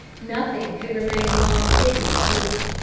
Nothing could remain long hidden in Beulah.